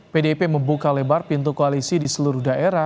pdip membuka lebar pintu koalisi di seluruh daerah